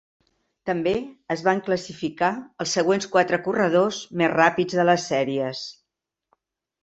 També es van classificar els següents quatre corredors més ràpids de les sèries.